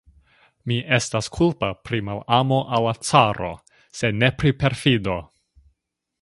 Mi estas kulpa pri malamo al la caro, sed ne pri perfido!